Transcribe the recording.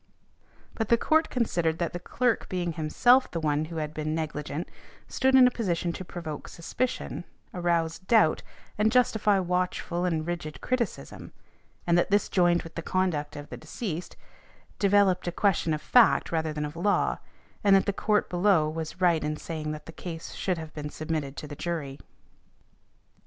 But the Court considered that the clerk being himself the one who had been negligent stood in a position to provoke suspicion, arouse doubt and justify watchful and rigid criticism, and that this joined with the conduct of the deceased, developed a question of fact rather than of law, and that the Court below was right in saying that the case should have been submitted to the jury .